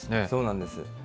そうなんです。